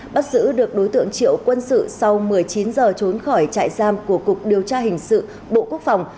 bắt giữ được đối tượng triệu quân sự sau một mươi chín giờ trốn khỏi trại giam của cục điều tra hình sự bộ quốc phòng